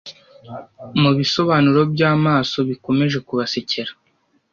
mubisobanuro byamaso bikomeje kubasekera